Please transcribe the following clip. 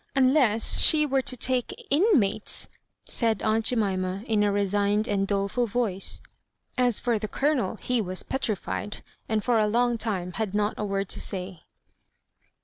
Unless she were to take Inmates," said aunt Jemima, in a resigned and doleful voice. Afl ^ the Colonel he was petrified; and for a long time had not a word to say.